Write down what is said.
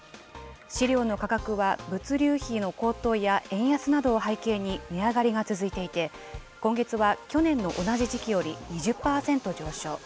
飼料の価格は物流費の高騰や円安などを背景に値上がりが続いていて、今月は去年の同じ時期より２０％上昇。